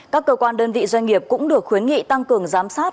các cơ quan đơn vị doanh nghiệp cũng được khuyến nghị tăng cường giám sát